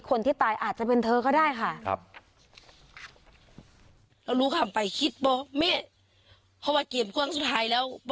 คนที่ตายอาจจะเป็นเธอก็ได้ค่ะ